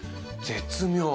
絶妙。